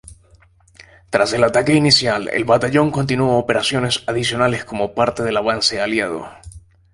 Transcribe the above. Tras el ataque inicial, el batallón continuó operaciones adicionales como parte del avance aliado.